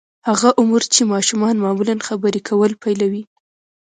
هغه عمر چې ماشومان معمولاً خبرې کول پيلوي.